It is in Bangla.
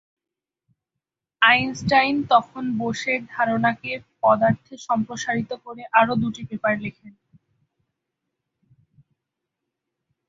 আইনস্টাইন তখন বোসের ধারণাকে পদার্থে সম্প্রসারিত করে আরও দুটি পেপার লেখেন।